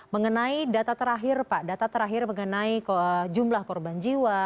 mengenai data terakhir pak data terakhir mengenai jumlah korban jiwa